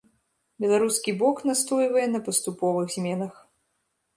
Беларускі бок настойвае на паступовых зменах.